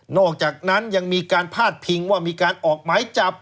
อกจากนั้นยังมีการพาดพิงว่ามีการออกหมายจับ